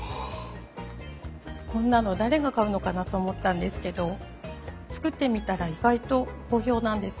こんなの誰が買うのかなと思ったんですけど作ってみたら意外と好評なんです。